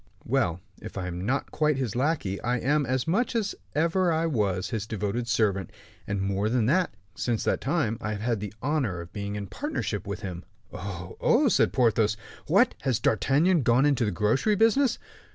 "Yes." "Well if I am not quite his lackey, I am as much as ever I was his devoted servant; and more than that, since that time " "Well, Planchet?" "Since that time, I have had the honor of being in partnership with him." "Oh, oh!" said Porthos. "What, has D'Artagnan gone into the grocery business?"